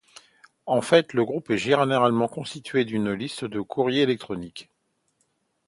En fait, un groupe est généralement constitué d'une liste de courrier électronique.